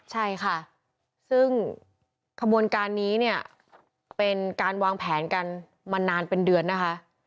ใช่ค่ะซึ่งขบวนการนี้เนี่ยเป็นการวางแผนกันมานานเป็นเดือนนะคะ